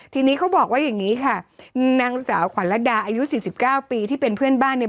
ทีนี้เขาบอกว่าอย่างนี้ค่ะนางสาวขวัญระดาอายุ๔๙ปีที่เป็นเพื่อนบ้านเนี่ย